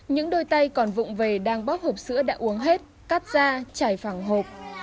những đôi tay còn vụn về đang bóp hộp sữa đã uống hết cắt ra chảy phẳng hộp